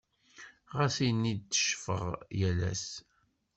Ɣas ini teccfeɣ yal ass.